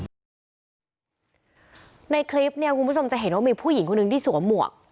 ในคลิปเนี่ยคุณผู้ชมจะเห็นว่ามีผู้หญิงคนหนึ่งที่สวมหมวก